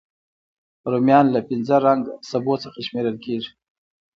رومیان له پینځه رنګه سبو څخه شمېرل کېږي